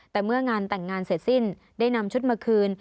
แต่เมื่องานแต่งงานเสร็จสิ้นได้นำชุดมาคืน